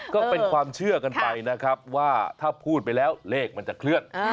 ก็เป็นความเชื่อกันไปนะครับว่าถ้าพูดไปแล้วเลขมันจะเคลื่อน